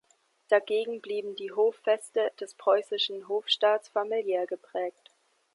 Dagegen blieben die Hoffeste des Preußischen Hofstaats familiär geprägt.